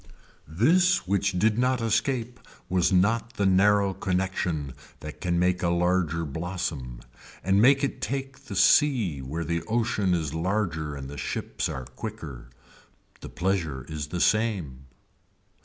This which did not escape was not the narrow connection that can make a larger blossom and make it take the sea where the ocean is larger and the ships are quicker. The pleasure is the same.